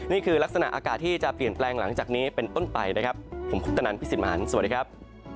นี่คือลักษณะอากาศที่จะเปลี่ยนแปลงหลังจากนี้เป็นต้นไปนะครับผมคุปตนันพี่สิทธิมหันฯสวัสดีครับ